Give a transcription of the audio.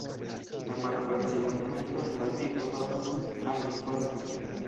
La malfacila momento en la vivo donas al ni forton.